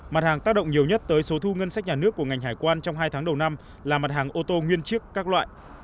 mặt hàng tác động nhiều nhất tới số thu ngân sách nhà nước của ngành hải quan trong hai tháng đầu năm là mặt hàng ô tô nguyên chiếc các loại